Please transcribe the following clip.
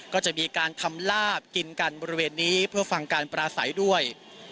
ก็จะมีการทำลาบกินกันบริเวณนี้เพื่อฟังการปราศัยด้วย